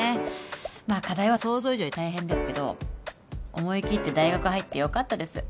まあ課題は想像以上に大変ですけど思い切って大学入ってよかったです